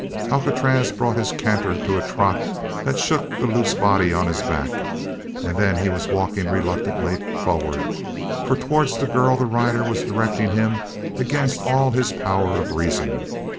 Alcatraz brought his canter to a trot that shook the loose body on his back, and then he was walking reluctantly forward, for towards the girl the rider was directing him against all his own power of reason.